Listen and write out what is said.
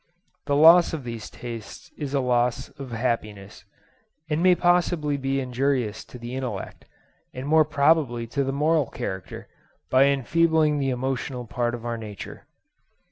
The loss of these tastes is a loss of happiness, and may possibly be injurious to the intellect, and more probably to the moral character, by enfeebling the emotional part of our nature.